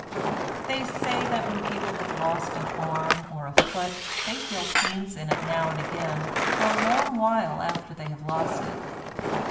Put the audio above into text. They say that when people have lost an arm or a foot they feel pains in it now and again for a long while after they have lost it.